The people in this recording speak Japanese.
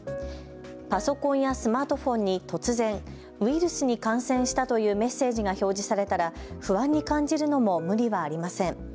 パソコンやスマートフォンに突然、ウイルスに感染したというメッセージが表示されたら不安に感じるのも無理はありません。